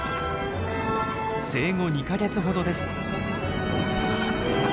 生後２か月ほどです。